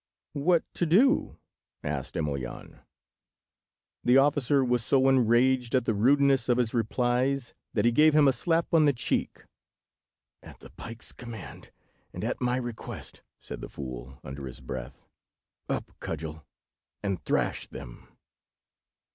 "What to do?" asked Emelyan. The officer was so enraged at the rudeness of his replies, that he gave him a slap on the cheek. "At the pike's command, and at my request," said the fool, under his breath, "up, cudgel, and thrash them."